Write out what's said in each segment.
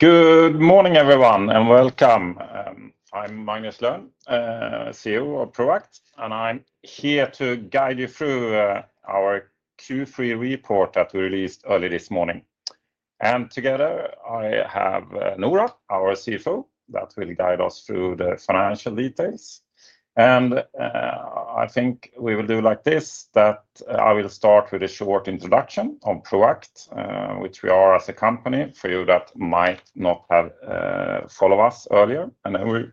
Good morning, everyone, and welcome. I'm Magnus Lönn, CEO of Proact, and I'm here to guide you through our Q3 report that we released early this morning. Together, I have Noora Jayasekara, our CFO, that will guide us through the financial details. I think we will do like this: I will start with a short introduction on Proact, which we are as a company, for you that might not have followed us earlier. We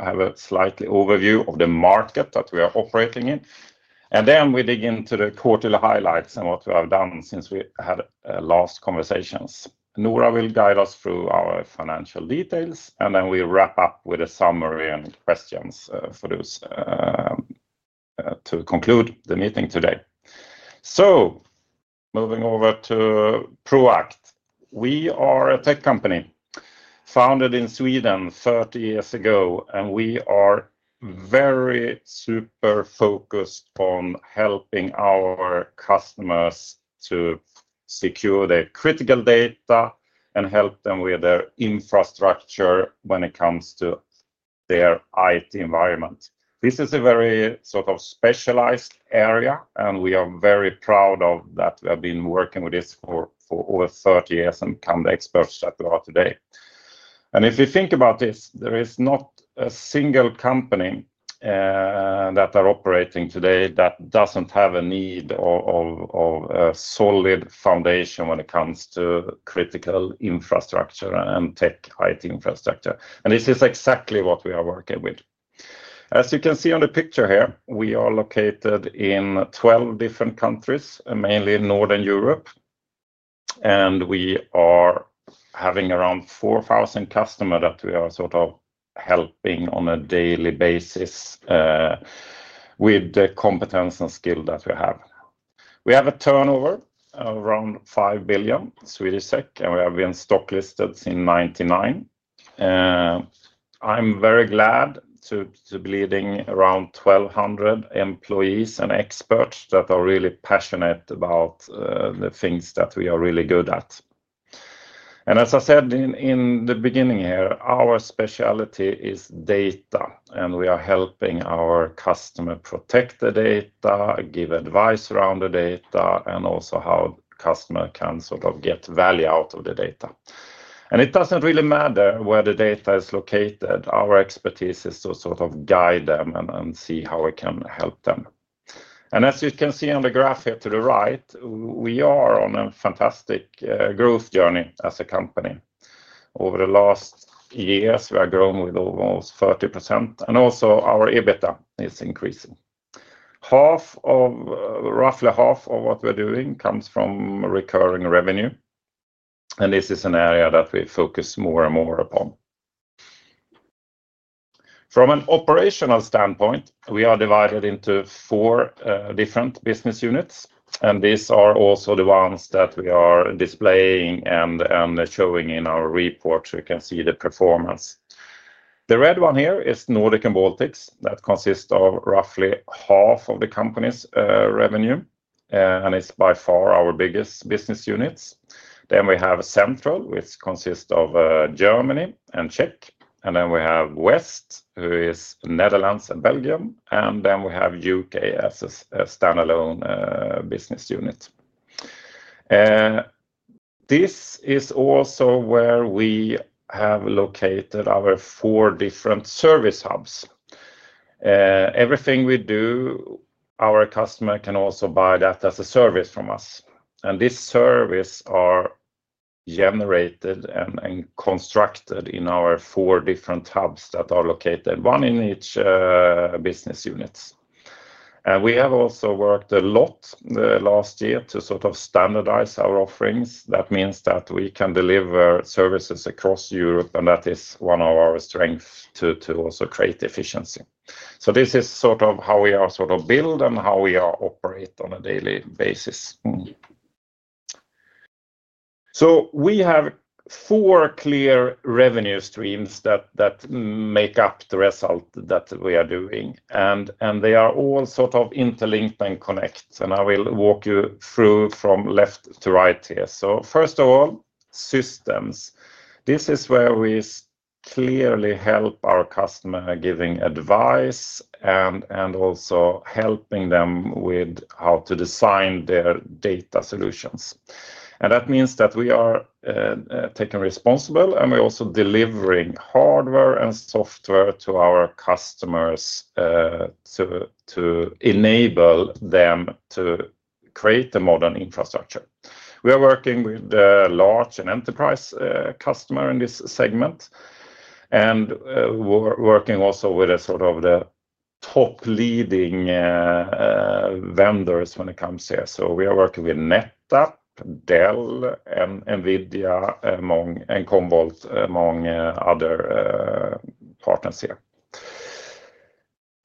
have a slight overview of the market that we are operating in. Then we dig into the quarterly highlights and what we have done since we had last conversations. Noora will guide us through our financial details, and then we'll wrap up with a summary and questions for those to conclude the meeting today. Moving over to Proact, we are a tech company founded in Sweden 30 years ago, and we are very super focused on helping our customers to secure their critical data and help them with their infrastructure when it comes to their IT environment. This is a very sort of specialized area, and we are very proud that we have been working with this for over 30 years and become the experts that we are today. If you think about this, there is not a single company that is operating today that doesn't have a need of a solid foundation when it comes to critical infrastructure and tech IT infrastructure. This is exactly what we are working with. As you can see on the picture here, we are located in 12 different countries, mainly in Northern Europe, and we are having around 4,000 customers that we are sort of helping on a daily basis with the competence and skill that we have. We have a turnover of around 5 billion Swedish SEK, and we have been stocklisted since 1999. I'm very glad to be leading around 1,200 employees and experts that are really passionate about the things that we are really good at. As I said in the beginning here, our specialty is data, and we are helping our customers protect the data, give advice around the data, and also how customers can sort of get value out of the data. It doesn't really matter where the data is located; our expertise is to sort of guide them and see how we can help them. As you can see on the graph here to the right, we are on a fantastic growth journey as a company. Over the last years, we have grown with almost 30%, and also our EBITDA is increasing. Roughly half of what we're doing comes from recurring revenue, and this is an area that we focus more and more upon. From an operational standpoint, we are divided into four different business units, and these are also the ones that we are displaying and showing in our reports. You can see the performance. The red one here is Nordic and Baltics that consist of roughly half of the company's revenue, and it's by far our biggest business unit. Then we have Central, which consists of Germany and Czech, and then we have West, which is Netherlands and Belgium, and then we have U.K. as a standalone business unit. This is also where we have located our four different service hubs. Everything we do, our customer can also buy that as a service from us, and this service is generated and constructed in our four different hubs that are located, one in each business unit. We have also worked a lot last year to sort of standardize our offerings. That means that we can deliver services across Europe, and that is one of our strengths to also create efficiency. This is sort of how we are sort of built and how we operate on a daily basis. We have four clear revenue streams that make up the result that we are doing, and they are all sort of interlinked and connect, and I will walk you through from left to right here. First of all, systems. This is where we clearly help our customers giving advice and also helping them with how to design their data solutions. That means that we are taking responsibility, and we're also delivering hardware and software to our customers to enable them to create a modern infrastructure. We are working with large and enterprise customers in this segment, and we're working also with sort of the top leading vendors when it comes here. We are working with NetApp, Dell, Nvidia, and Commvault, among other partners here.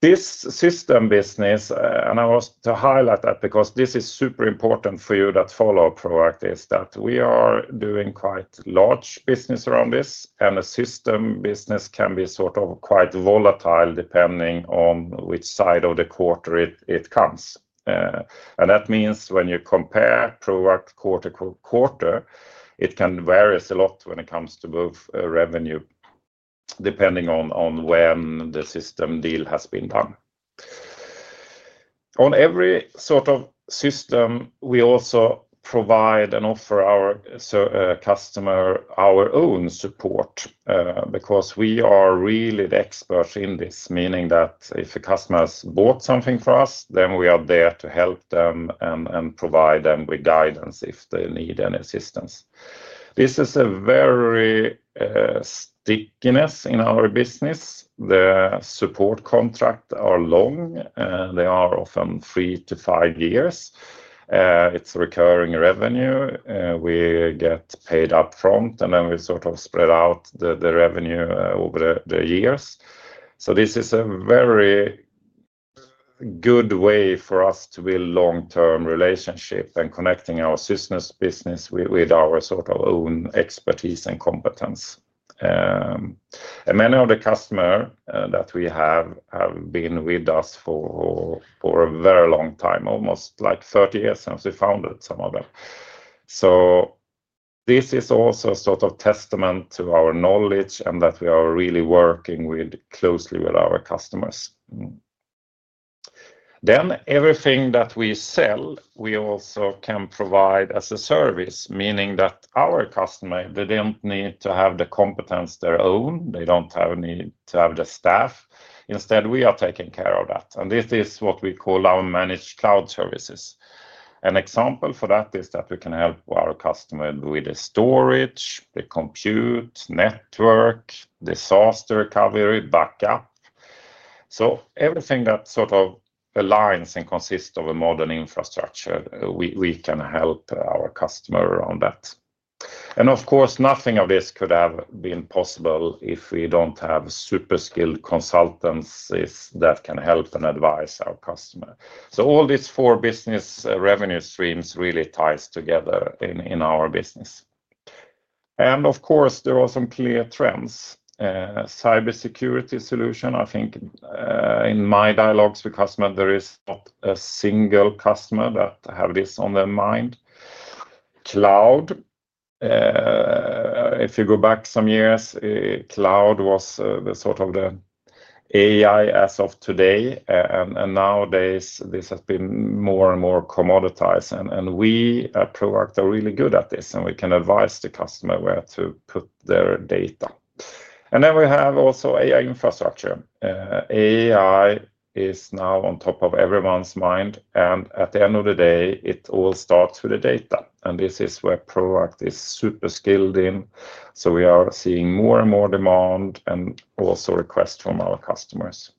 This system business, and I want to highlight that because this is super important for you that follow Proact, is that we are doing quite large business around this, and the system business can be sort of quite volatile depending on which side of the quarter it comes. That means when you compare Proact quarter to quarter, it can vary a lot when it comes to both revenue depending on when the system deal has been done. On every sort of system, we also provide and offer our customers our own support because we are really the experts in this, meaning that if a customer has bought something for us, then we are there to help them and provide them with guidance if they need any assistance. There is a very stickiness in our business. The support contracts are long. They are often three to five years. It's recurring revenue. We get paid upfront, and then we sort of spread out the revenue over the years. This is a very good way for us to build a long-term relationship and connect our business with our own expertise and competence. Many of the customers that we have have been with us for a very long time, almost like 30 years since we founded some of them. This is also a testament to our knowledge and that we are really working closely with our customers. Everything that we sell, we also can provide as a service, meaning that our customers don't need to have the competence on their own. They don't need to have the staff. Instead, we are taking care of that. This is what we call our managed cloud services. An example for that is that we can help our customers with the storage, the compute, network, disaster recovery, backup. Everything that aligns and consists of a modern infrastructure, we can help our customer on that. Of course, nothing of this could have been possible if we don't have super skilled consultants that can help and advise our customers. All these four business revenue streams really tie together in our business. There are some clear trends. Cybersecurity solutions, I think in my dialogues with customers, there is not a single customer that has this on their mind. Cloud, if you go back some years, cloud was the sort of the AI as of today, and nowadays this has been more and more commoditized. We at Proact are really good at this, and we can advise the customer where to put their data. We have also AI infrastructure. AI is now on top of everyone's mind, and at the end of the day, it all starts with the data. This is where Proact is super skilled in. We are seeing more and more demand and also requests from our customers.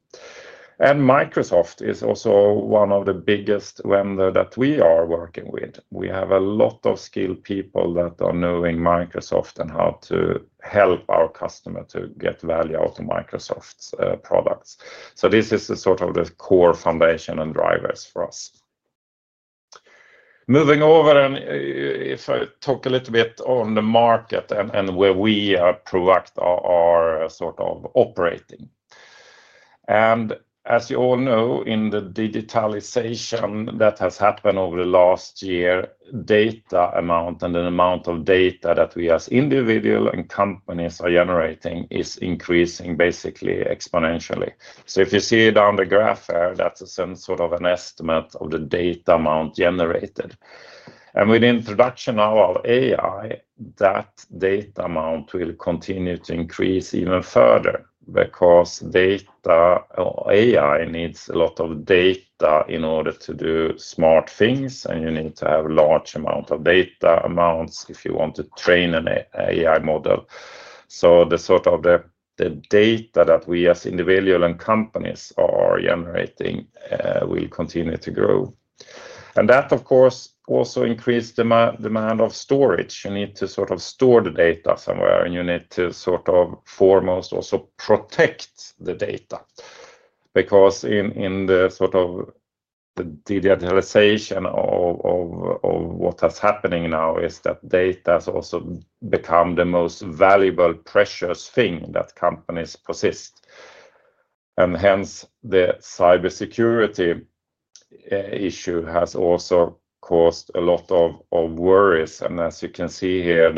Microsoft is also one of the biggest vendors that we are working with. We have a lot of skilled people that are knowing Microsoft and how to help our customers to get value out of Microsoft's products. This is the core foundation and drivers for us. Moving over, if I talk a little bit on the market and where we at Proact are operating. As you all know, in the digitalization that has happened over the last year, data amount and the amount of data that we as individuals and companies are generating is increasing basically exponentially. If you see it on the graph there, that's sort of an estimate of the data amount generated. With the introduction now of AI, that data amount will continue to increase even further because AI needs a lot of data in order to do smart things, and you need to have a large amount of data amounts if you want to train an AI model. The data that we as individuals and companies are generating will continue to grow. That, of course, also increases the demand of storage. You need to store the data somewhere, and you need to foremost also protect the data because in the digitalization of what is happening now, data has also become the most valuable, precious thing that companies possess. Hence, the cybersecurity issue has also caused a lot of worries. As you can see here,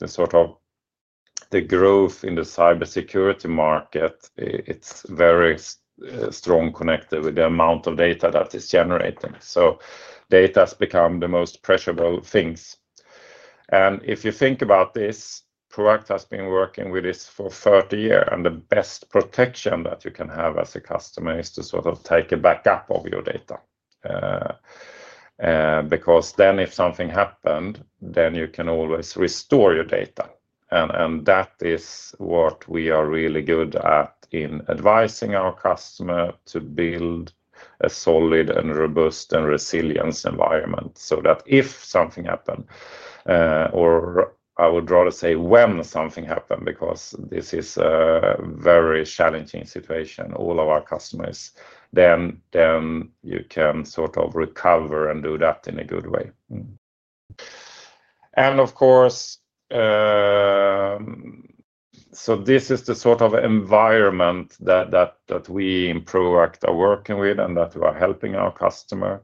the growth in the cybersecurity market is very strongly connected with the amount of data that is generated. Data has become the most precious thing. If you think about this, Proact has been working with this for 30 years, and the best protection that you can have as a customer is to take a backup of your data because then if something happened, you can always restore your data. That is what we are really good at in advising our customers to build a solid and robust and resilient environment so that if something happens, or I would rather say when something happens, because this is a very challenging situation for all of our customers, you can recover and do that in a good way. This is the environment that we in Proact are working with and that we are helping our customers.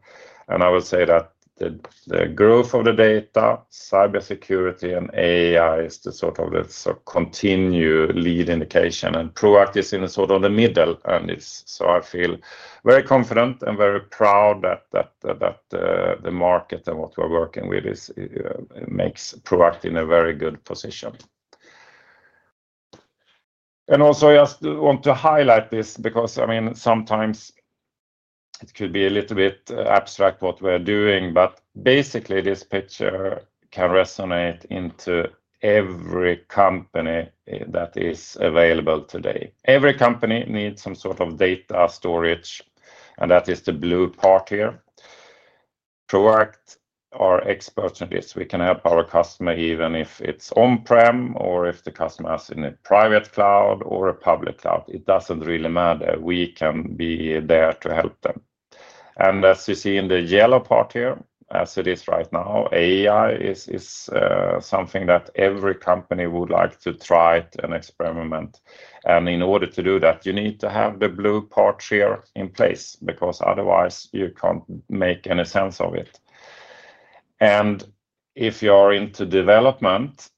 I would say that the growth of the data, cybersecurity, and AI is the continued lead indication, and Proact is in the middle. I feel very confident and very proud that the market and what we are working with makes Proact in a very good position. I just want to highlight this because, I mean, sometimes it could be a little bit abstract what we're doing, but basically, this picture can resonate into every company that is available today. Every company needs some sort of data storage, and that is the blue part here. Proact, our experts in this, we can help our customer even if it's on-prem or if the customer has a private cloud or a public cloud. It doesn't really matter. We can be there to help them. As you see in the yellow part here, as it is right now, AI is something that every company would like to try and experiment. In order to do that, you need to have the blue part here in place because otherwise, you can't make any sense of it. If you are into development,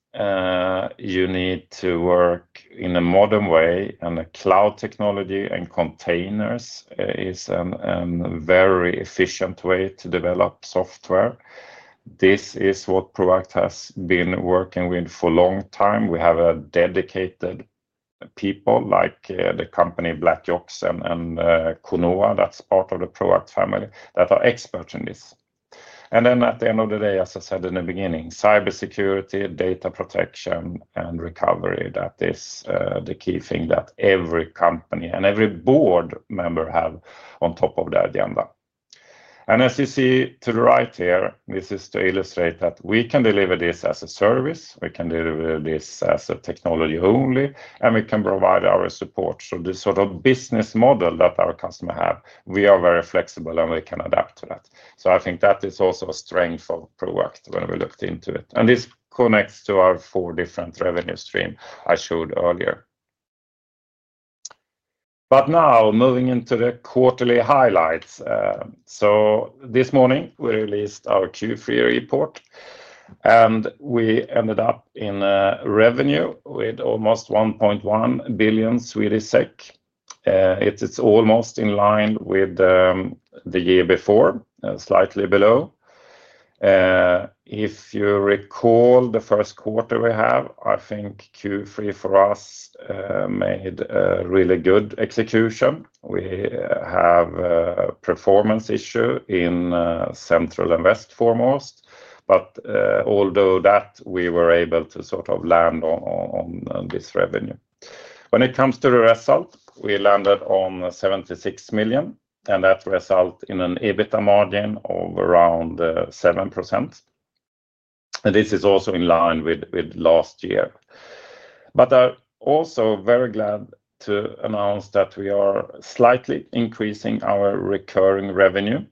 you need to work in a modern way, and cloud technology and containers is a very efficient way to develop software. This is what Proact has been working with for a long time. We have dedicated people like the company BlakYaks Ltd and Consular, that's part of the Proact family, that are experts in this. At the end of the day, as I said in the beginning, cybersecurity, data protection, and backup & recovery, that is the key thing that every company and every board member has on top of their agenda. As you see to the right here, this is to illustrate that we can deliver this as a service, we can deliver this as a technology only, and we can provide our support. This sort of business model that our customers have, we are very flexible, and we can adapt to that. I think that is also a strength of Proact when we looked into it. This connects to our four different revenue streams I showed earlier. Now, moving into the quarterly highlights. This morning, we released our Q3 report, and we ended up in revenue with almost 1.1 billion Swedish SEK. It's almost in line with the year before, slightly below. If you recall the first quarter we had, I think Q3 for us made a really good execution. We had a performance issue in Central and West foremost, but although that, we were able to sort of land on this revenue. When it comes to the result, we landed on 76 million, and that resulted in an EBITDA margin of around 7%. This is also in line with last year. I'm also very glad to announce that we are slightly increasing our recurring revenue.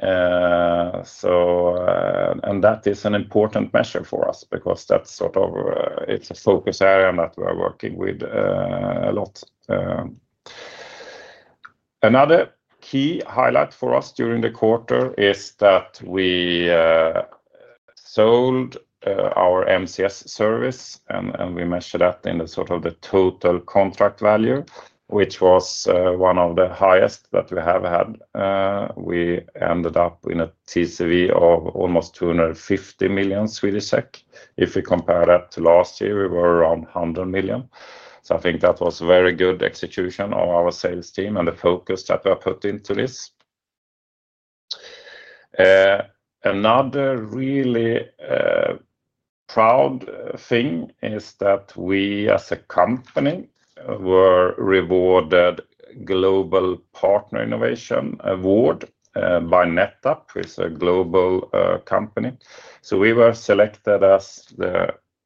That is an important measure for us because that's sort of a focus area that we're working with a lot. Another key highlight for us during the quarter is that we sold our managed cloud services, and we measure that in the sort of the total contract value, which was one of the highest that we have had. We ended up with a TCV of almost 250 million Swedish SEK. If we compare that to last year, we were around 100 million. I think that was a very good execution of our sales team and the focus that we have put into this. Another really proud thing is that we, as a company, were rewarded a Global Partner Innovation Award by NetApp, which is a global company. We were selected as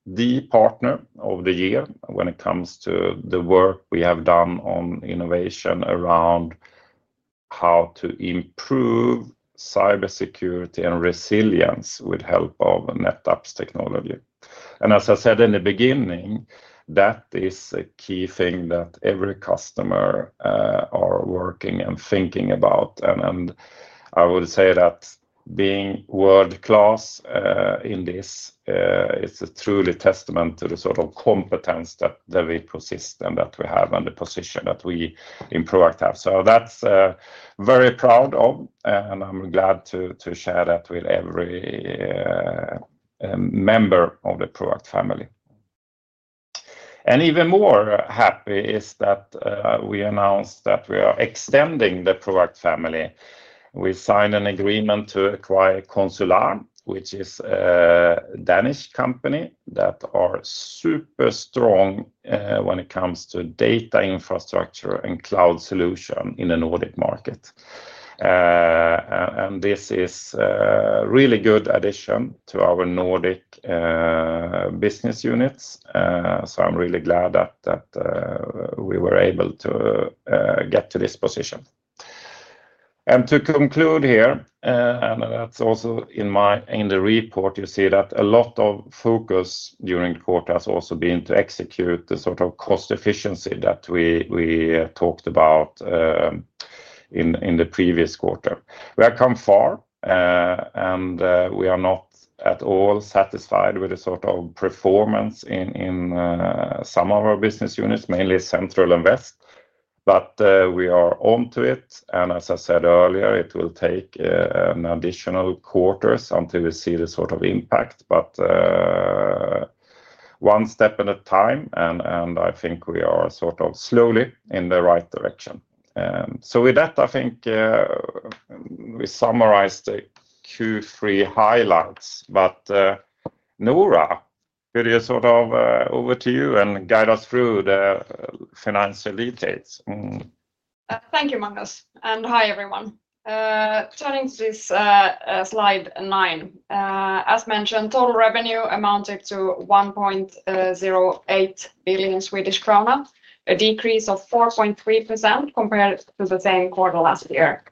the partner of the year when it comes to the work we have done on innovation around how to improve cybersecurity and resilience with the help of NetApp's technology. As I said in the beginning, that is a key thing that every customer is working and thinking about. I would say that being world-class in this is truly a testament to the sort of competence that we possess and that we have in the position that we in Proact have. That's very proud of, and I'm glad to share that with every member of the Proact family. Even more happy is that we announced that we are extending the Proact family. We signed an agreement to acquire Consular, which is a Danish company that is super strong when it comes to data infrastructure and cloud solutions in the Nordic market. This is a really good addition to our Nordic business units. I'm really glad that we were able to get to this position. To conclude here, and that's also in the report, you see that a lot of focus during the quarter has also been to execute the sort of cost efficiency that we talked about in the previous quarter. We have come far, and we are not at all satisfied with the sort of performance in some of our business units, mainly Central and West, but we are onto it. As I said earlier, it will take an additional quarter until we see the sort of impact, but one step at a time, and I think we are sort of slowly in the right direction. With that, I think we summarized the Q3 highlights. Noora, could you sort of over to you and guide us through the financial details? Thank you, Magnus, and hi, everyone. Turning to this slide nine, as mentioned, total revenue amounted to 1.08 billion Swedish krona, a decrease of 4.3% compared to the same quarter last year.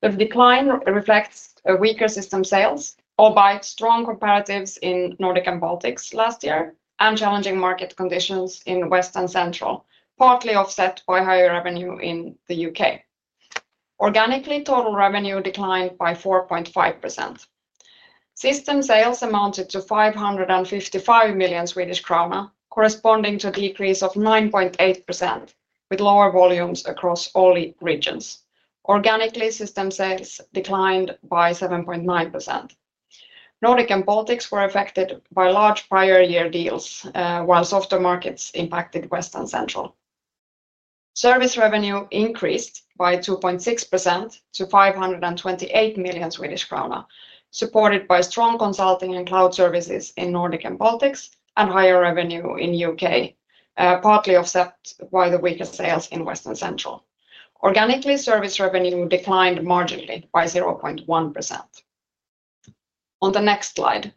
The decline reflects weaker system sales, albeit strong comparatives in Nordic and Baltics last year, and challenging market conditions in West and Central, partly offset by higher revenue in the U.K. Organically, total revenue declined by 4.5%. System sales amounted to 555 million Swedish krona, corresponding to a decrease of 9.8%, with lower volumes across all regions. Organically, system sales declined by 7.9%. Nordic and Baltics were affected by large prior-year deals, while softer markets impacted West and Central. Service revenue increased by 2.6% to 528 million Swedish krona, supported by strong consulting and cloud services in Nordic and Baltics, and higher revenue in the U.K., partly offset by the weaker sales in West and Central. Organically, service revenue declined marginally by 0.1%. On the next slide,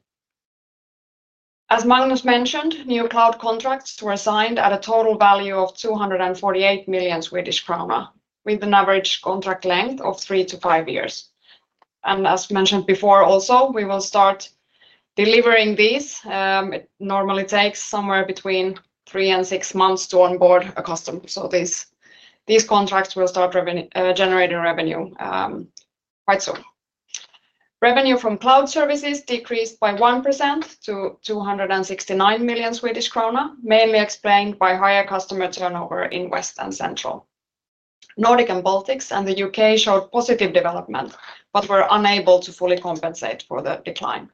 as Magnus mentioned, new cloud contracts were signed at a total value of 248 million Swedish krona, with an average contract length of three to five years. As mentioned before, we will start delivering these. It normally takes somewhere between three and six months to onboard a customer. These contracts will start generating revenue quite soon. Revenue from cloud services decreased by 1% to 269 million Swedish krona, mainly explained by higher customer turnover in West and Central. Nordic and Baltics and the U.K. showed positive development but were unable to fully compensate for the decline.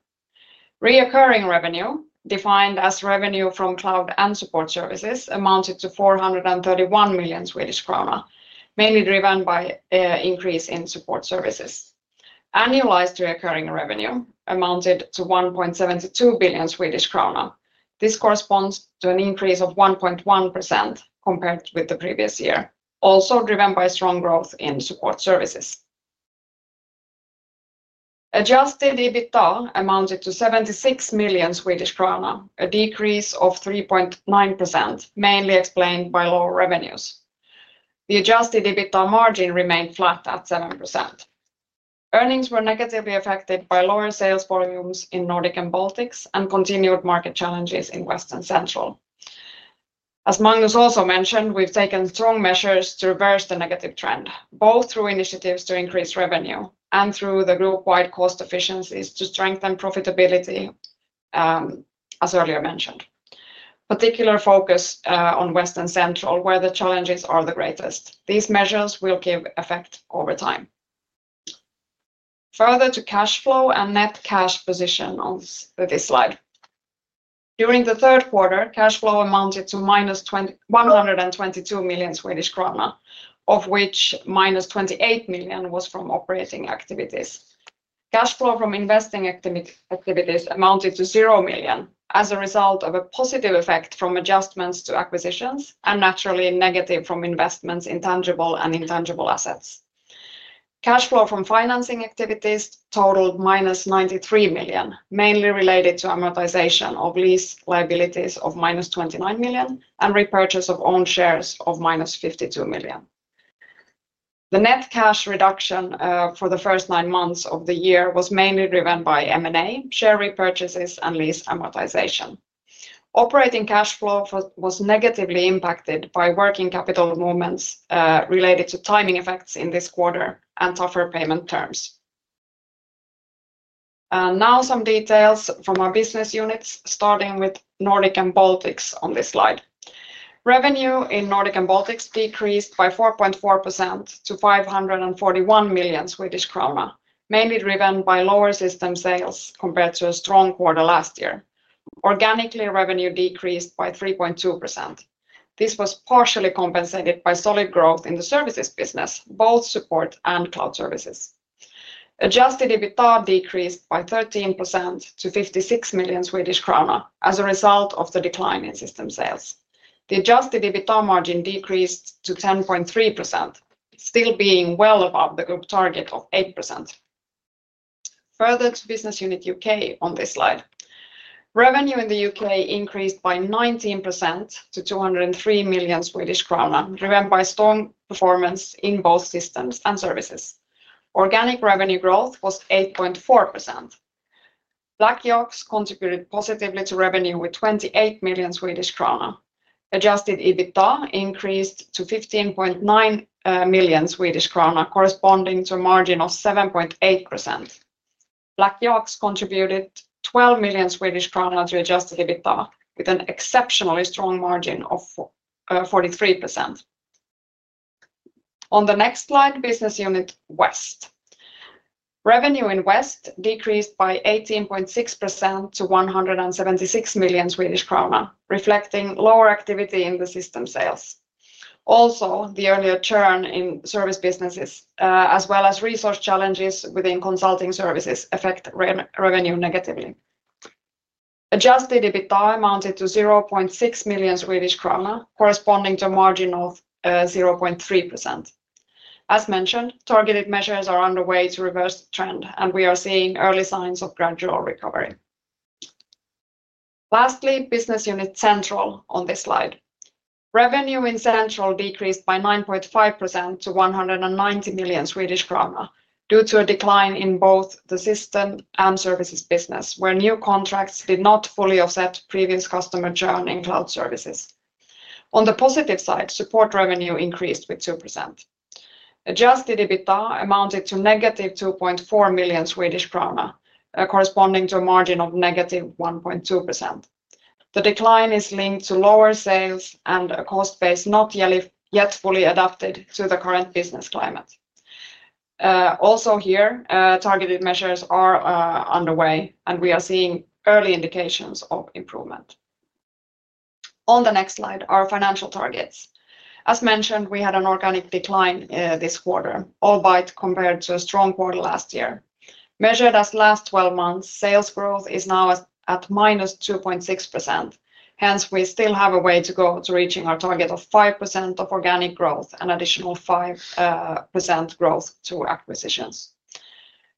Recurring revenue, defined as revenue from cloud and support services, amounted to 431 million Swedish krona, mainly driven by an increase in support services. Annualized recurring revenue amounted to 1.72 billion Swedish krona. This corresponds to an increase of 1.1% compared with the previous year, also driven by strong growth in support services. Adjusted EBITDA amounted to 76 million Swedish krona, a decrease of 3.9%, mainly explained by lower revenues. The adjusted EBITDA margin remained flat at 7%. Earnings were negatively affected by lower sales volumes in Nordic and Baltics and continued market challenges in West and Central. As Magnus also mentioned, we've taken strong measures to reverse the negative trend, both through initiatives to increase revenue and through the group-wide cost efficiency initiatives to strengthen profitability, as earlier mentioned. Particular focus on West and Central, where the challenges are the greatest. These measures will keep effect over time. Further to cash flow and net cash position on this slide. During the third quarter, cash flow amounted to -122 million Swedish krona, of which -28 million was from operating activities. Cash flow from investing activities amounted to 0 million as a result of a positive effect from adjustments to acquisitions and naturally negative from investments in tangible and intangible assets. Cash flow from financing activities totaled -93 million, mainly related to amortization of lease liabilities of -29 million and repurchase of owned shares of -52 million. The net cash reduction for the first nine months of the year was mainly driven by M&A, share repurchases, and lease amortization. Operating cash flow was negatively impacted by working capital movements related to timing effects in this quarter and tougher payment terms. Now some details from our business units, starting with Nordic and Baltics on this slide. Revenue in Nordic and Baltics decreased by 4.4% to 541 million Swedish krona, mainly driven by lower system sales compared to a strong quarter last year. Organically, revenue decreased by 3.2%. This was partially compensated by solid growth in the services business, both support and cloud services. Adjusted EBITDA decreased by 13% to 56 million Swedish krona as a result of the decline in system sales. The adjusted EBITDA margin decreased to 10.3%, still being well above the group target of 8%. Further to business unit U.K. on this slide. Revenue in the U.K. increased by 19% to 203 million Swedish krona, driven by strong performance in both systems and services. Organic revenue growth was 8.4%. BlakYaks Ltd contributed positively to revenue with 28 million Swedish krona. Adjusted EBITDA increased to 15.9 million Swedish krona, corresponding to a margin of 7.8%. BlakYaks contributed 12 million Swedish kronor to adjusted EBITDA with an exceptionally strong margin of 43%. On the next slide, business unit West. Revenue in West decreased by 18.6% to 176 million Swedish krona, reflecting lower activity in the system sales. Also, the earlier churn in service businesses, as well as resource challenges within consulting services, affect revenue negatively. Adjusted EBITDA amounted to 0.6 million Swedish krona, corresponding to a margin of 0.3%. As mentioned, targeted measures are underway to reverse the trend, and we are seeing early signs of gradual recovery. Lastly, business unit Central on this slide. Revenue in Central decreased by 9.5% to 190 million Swedish krona due to a decline in both the system and services business, where new contracts did not fully offset previous customer churn in cloud services. On the positive side, support revenue increased by 2%. Adjusted EBITDA amounted to -2.4 million Swedish krona, corresponding to a margin of -1.2%. The decline is linked to lower sales and a cost base not yet fully adapted to the current business climate. Also here, targeted measures are underway, and we are seeing early indications of improvement. On the next slide, our financial targets. As mentioned, we had an organic decline this quarter, albeit compared to a strong quarter last year. Measured as last 12 months, sales growth is now at -2.6%. Hence, we still have a way to go to reaching our target of 5% organic growth and an additional 5% growth through acquisitions.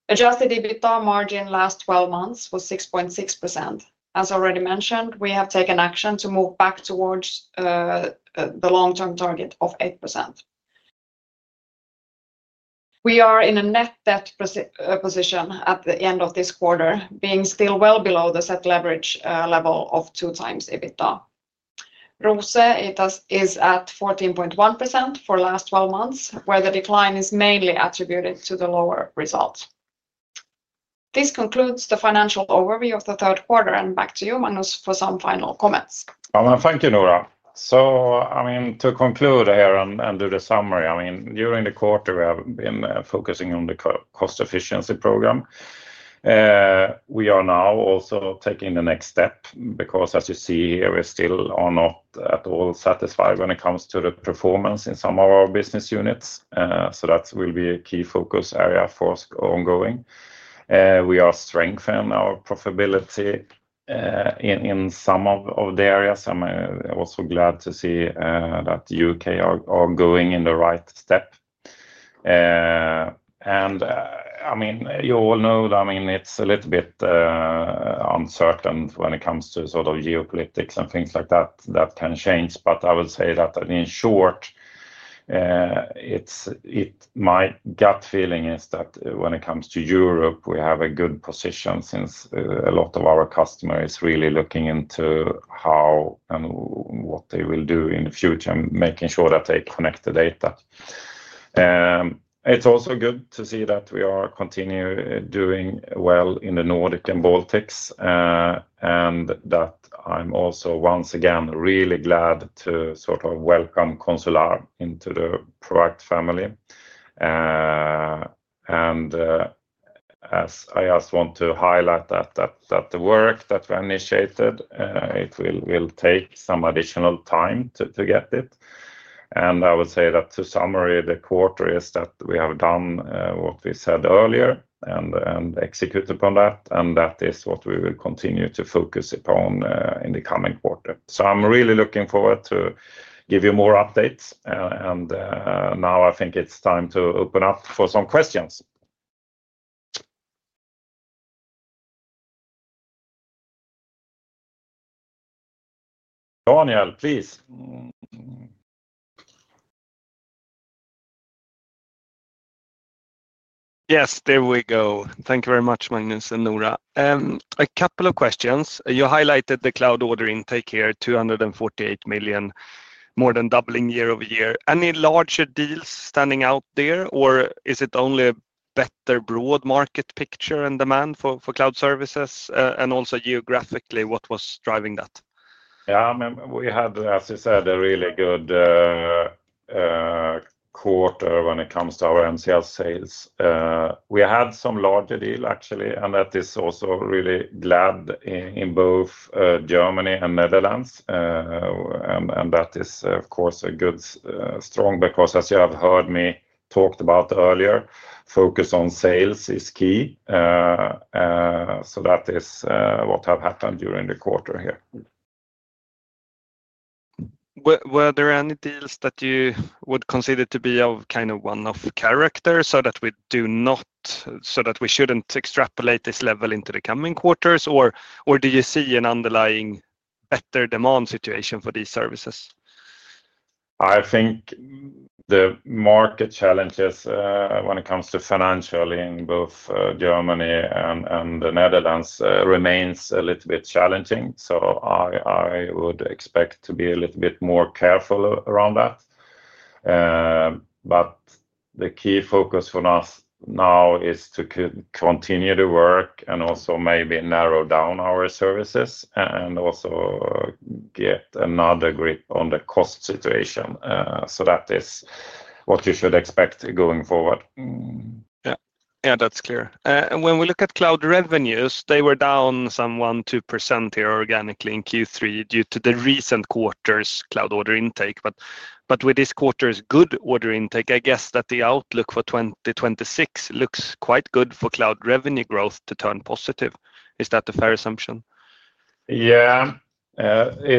Adjusted EBITDA margin last 12 months was 6.6%. As already mentioned, we have taken action to move back towards the long-term target of 8%. We are in a net debt position at the end of this quarter, being still well below the set leverage level of two times EBITDA. ROCE is at 14.1% for the last 12 months, where the decline is mainly attributed to the lower results. This concludes the financial overview of the third quarter, and back to you, Magnus, for some final comments. Thank you, Noora. To conclude here and do the summary, during the quarter, we have been focusing on the cost efficiency program. We are now also taking the next step because, as you see here, we still are not at all satisfied when it comes to the performance in some of our business units. That will be a key focus area for us ongoing. We are strengthening our profitability in some of the areas. I'm also glad to see that the U.K. are going in the right step. You all know that it's a little bit uncertain when it comes to sort of geopolitics and things like that. That can change, but I would say that, in short, my gut feeling is that when it comes to Europe, we have a good position since a lot of our customers are really looking into how and what they will do in the future and making sure that they connect the data. It's also good to see that we are continuing doing well in the Nordic and Baltics, and that I'm also, once again, really glad to sort of welcome Consular into the Proact family. I just want to highlight that the work that we initiated, it will take some additional time to get it. I would say that, to summarize the quarter, is that we have done what we said earlier and executed upon that, and that is what we will continue to focus upon in the coming quarter. I'm really looking forward to giving you more updates. I think it's time to open up for some questions. Daniel, please. Yes, there we go. Thank you very much, Magnus and Noora. A couple of questions. You highlighted the cloud order intake here, 248 million, more than doubling year-over-year. Any larger deals standing out there, or is it only a better broad market picture and demand for cloud services? Also, geographically, what was driving that? Yeah, I mean, we had, as I said, a really good quarter when it comes to our managed cloud services sales. We had some larger deals, actually, and that is also really glad in both Germany and Netherlands. That is, of course, a good strong because, as you have heard me talk about earlier, focus on sales is key. That is what has happened during the quarter here. Were there any deals that you would consider to be of kind of one-off character, so that we shouldn't extrapolate this level into the coming quarters, or do you see an underlying better demand situation for these services? I think the market challenges when it comes to financial in both Germany and the Netherlands remain a little bit challenging. I would expect to be a little bit more careful around that. The key focus for us now is to continue the work and also maybe narrow down our services and also get another grip on the cost situation. That is what you should expect going forward. Yeah, that's clear. When we look at cloud revenues, they were down some 1%-2% here organically in Q3 due to the recent quarter's cloud order intake. With this quarter's good order intake, I guess that the outlook for 2026 looks quite good for cloud revenue growth to turn positive. Is that a fair assumption? It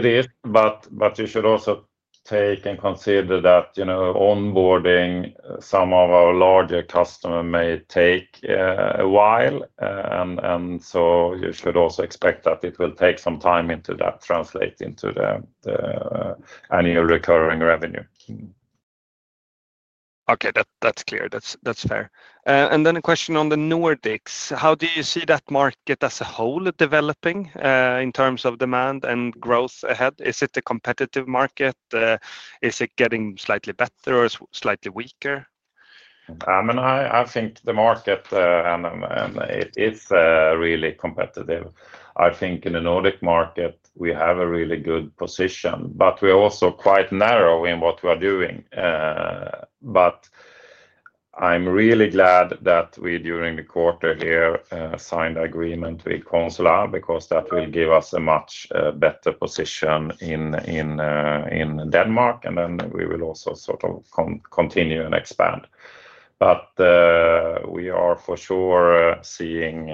is, but you should also take into consideration that onboarding some of our larger customers may take a while. You should also expect that it will take some time to translate into the annual recurring revenue. Okay, that's clear. That's fair. A question on the Nordics: how do you see that market as a whole developing in terms of demand and growth ahead? Is it a competitive market? Is it getting slightly better or slightly weaker? I mean, I think the market is really competitive. I think in the Nordic market, we have a really good position, but we are also quite narrow in what we are doing. I'm really glad that we, during the quarter here, signed an agreement with Consular because that will give us a much better position in Denmark. We will also sort of continue and expand. We are for sure seeing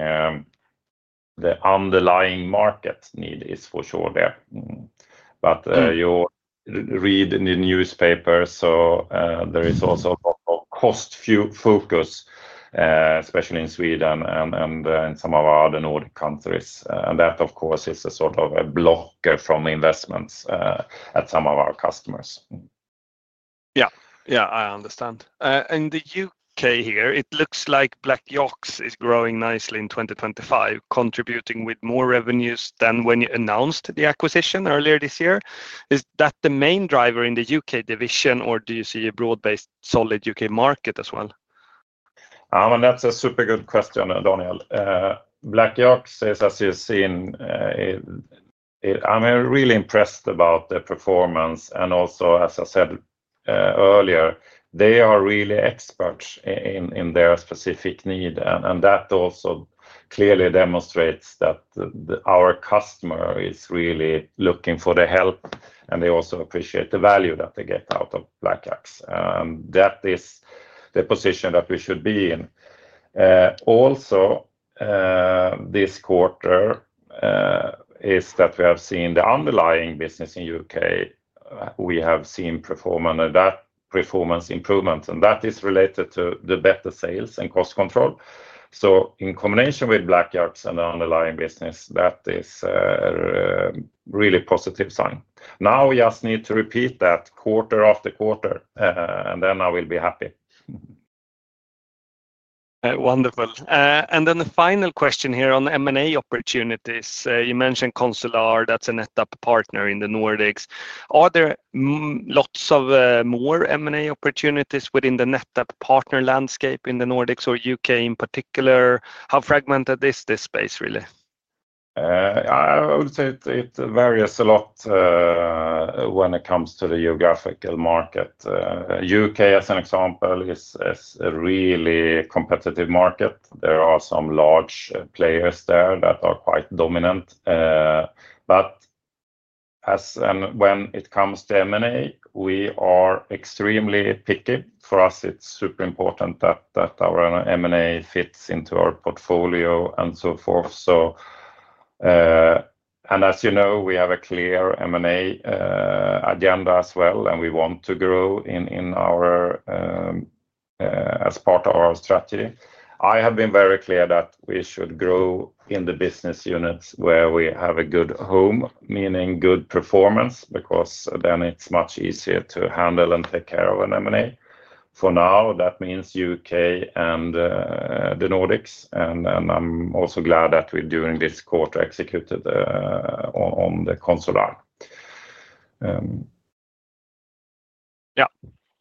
the underlying market need is for sure there. You read in the newspapers, so there is also a lot of cost focus, especially in Sweden and in some of the other Nordic countries. That, of course, is a sort of a blocker from investments at some of our customers. I understand. In the U.K. here, it looks like BlakYaks is growing nicely in 2025, contributing with more revenues than when you announced the acquisition earlier this year. Is that the main driver in the U.K. division, or do you see a broad-based solid U.K. market as well? I mean, that's a super good question, Daniel. BlakYaks, as you've seen, I'm really impressed about their performance. Also, as I said earlier, they are really experts in their specific need. That also clearly demonstrates that our customer is really looking for the help, and they also appreciate the value that they get out of BlakYaks. That is the position that we should be in. This quarter, we have seen the underlying business in the U.K. We have seen performance improvements, and that is related to the better sales and cost control. In combination with BlakYaks and the underlying business, that is a really positive sign. Now we just need to repeat that quarter after quarter, and then I will be happy. Wonderful. The final question here on M&A opportunities. You mentioned Consular, that's a NetApp partner in the Nordics. Are there lots of more M&A opportunities within the NetApp partner landscape in the Nordics or U.K. in particular? How fragmented is this space really? I would say it varies a lot when it comes to the geographical market. U.K., as an example, is a really competitive market. There are some large players there that are quite dominant. When it comes to M&A, we are extremely picky. For us, it's super important that our M&A fits into our portfolio and so forth. As you know, we have a clear M&A agenda as well, and we want to grow as part of our strategy. I have been very clear that we should grow in the business units where we have a good home, meaning good performance, because then it's much easier to handle and take care of an M&A. For now, that means U.K. and the Nordics. I'm also glad that we're doing this quarter executed on the Consular. Yeah,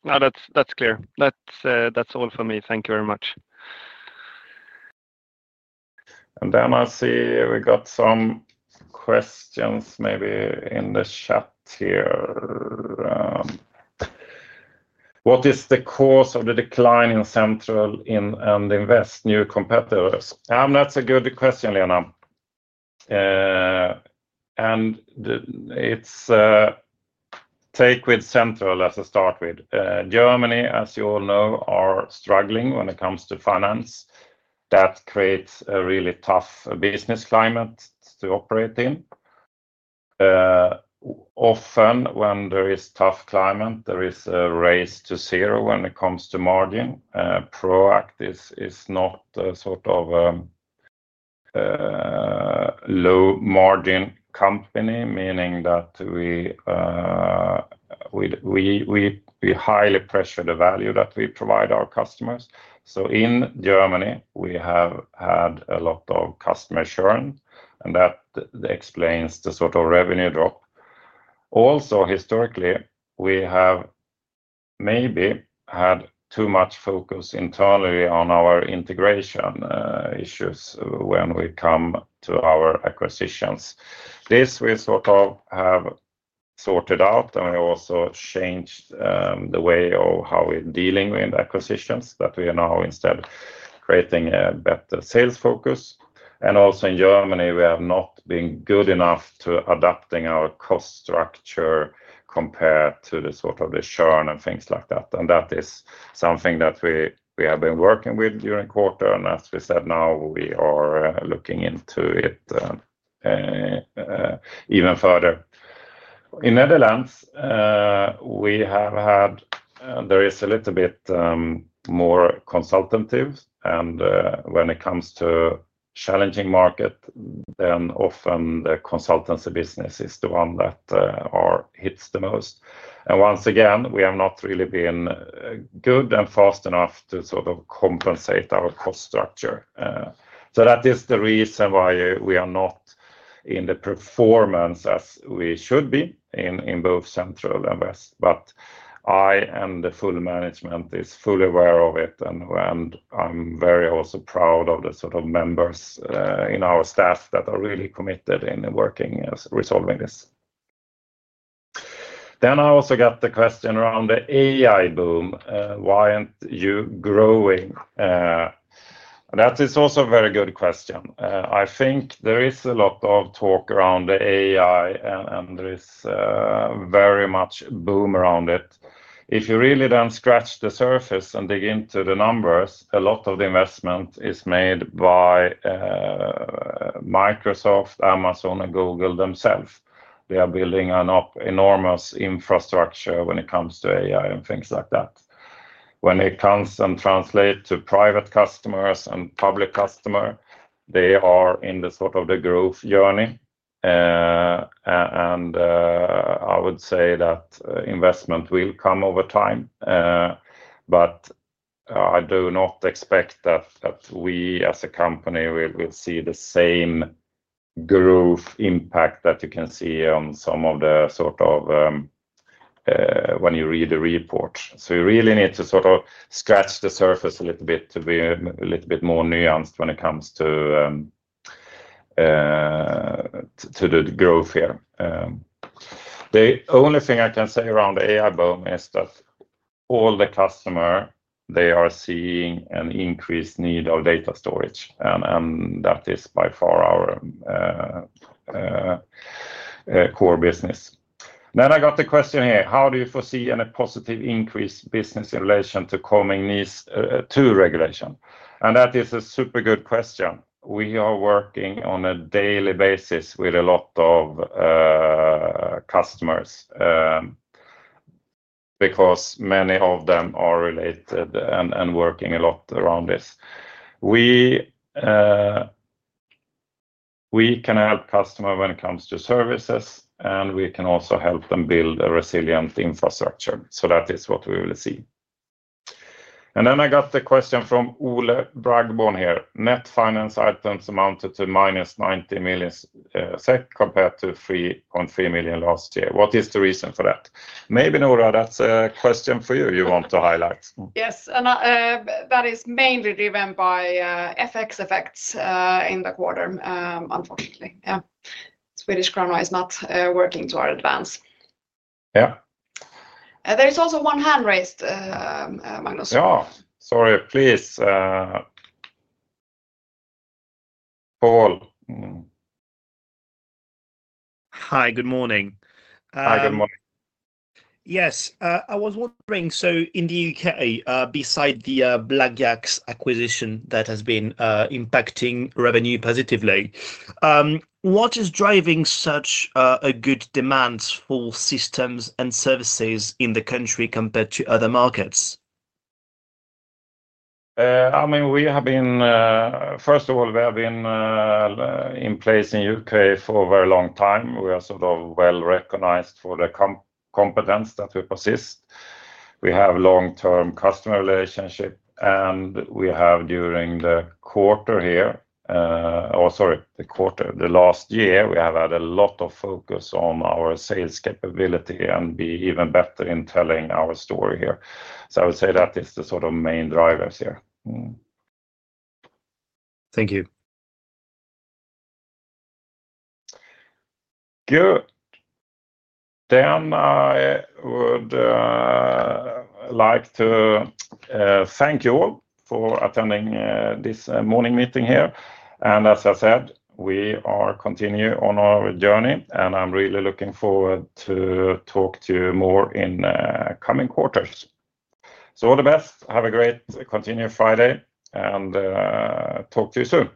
no, that's clear. That's all for me. Thank you very much. I see we got some questions maybe in the chat here. What is the cause of the decline in Central and in West, new competitors? That's a good question, Lena. I'll take Central as a start. Germany, as you all know, is struggling when it comes to finance. That creates a really tough business climate to operate in. Often, when there is a tough climate, there is a race to zero when it comes to margin. Proact is not a sort of low-margin company, meaning that we highly pressure the value that we provide our customers. In Germany, we have had a lot of customer churn, and that explains the sort of revenue drop. Also, historically, we have maybe had too much focus internally on our integration issues when we come to our acquisitions. This we have sorted out, and we also changed the way of how we're dealing with acquisitions, that we are now instead creating a better sales focus. In Germany, we have not been good enough to adapt our cost structure compared to the churn and things like that. That is something that we have been working with during the quarter, and as we said, now we are looking into it even further. In the Netherlands, it is a little bit more consultative, and when it comes to challenging markets, often the consultancy business is the one that hits the most. Once again, we have not really been good and fast enough to compensate our cost structure. That is the reason why we are not in the performance as we should be in both Central and West. I and the full management are fully aware of it, and I am also very proud of the members in our staff that are really committed in working on resolving this. I also got the question around the AI boom. Why aren't you growing? That is also a very good question. I think there is a lot of talk around AI, and there is very much boom around it. If you really scratch the surface and dig into the numbers, a lot of the investment is made by Microsoft, Amazon, and Google themselves. They are building up enormous infrastructure when it comes to AI and things like that. When it comes and translates to private customers and public customers, they are in the growth journey. I would say that investment will come over time, but I do not expect that we as a company will see the same growth impact that you can see on some of the reports. You really need to sort of scratch the surface a little bit to be a little bit more nuanced when it comes to the growth here. The only thing I can say around the AI boom is that all the customers, they are seeing an increased need of data storage, and that is by far our core business. I got the question here, how do you foresee any positive increase in business in relation to coming these two regulations? That is a super good question. We are working on a daily basis with a lot of customers because many of them are related and working a lot around this. We can help customers when it comes to services, and we can also help them build a resilient infrastructure. That is what we will see. I got the question from Ole Bragborn here. Net finance items amounted to -90 million SEK compared to 3.3 million SEK last year. What is the reason for that? Maybe Noora, that's a question for you. You want to highlight? Yes, that is mainly driven by FX effects in the quarter, unfortunately. Swedish krona is not working to our advance. Yeah. There is also one hand raised, Magnus. Sorry, please. Paul. Hi, good morning. Hi, good morning. Yes, I was wondering, in the U.K., besides the BlakYaks acquisition that has been impacting revenue positively, what is driving such a good demand for systems and services in the country compared to other markets? We have been in place in the U.K. for a very long time. We are sort of well recognized for the competence that we possess. We have long-term customer relationships, and we have, during the quarter here, or sorry, the quarter, the last year, we have had a lot of focus on our sales capability and be even better in telling our story here. I would say that is the sort of main drivers here. Thank you. I would like to thank you all for attending this morning meeting here. As I said, we are continuing on our journey, and I'm really looking forward to talking to you more in the coming quarters. All the best. Have a great continued Friday, and talk to you soon.